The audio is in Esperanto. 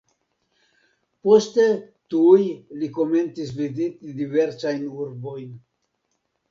Poste tuj li komencis viziti diversajn urbojn.